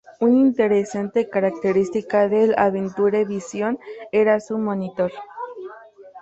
Una interesante característica del Adventure Vision era su "monitor".